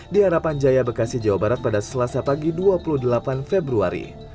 di harapan jaya bekasi jawa barat pada selasa pagi dua puluh delapan februari